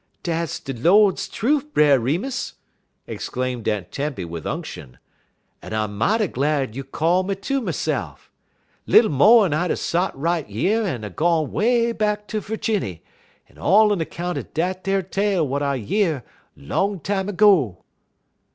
"Dat's de Lord's trufe, Brer Remus," exclaimed Aunt Tempy with unction, "un I mighty glad you call me ter myse'f. Little mo' un I'd er sot right yer un 'a' gone 'way back to Ferginny, un all on 'count er dat ar tale w'at I year long time ago."